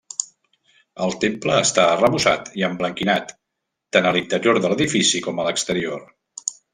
El temple està arrebossat i emblanquinat, tant a l'interior de l'edifici com a l'exterior.